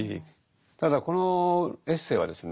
ただこのエッセイはですね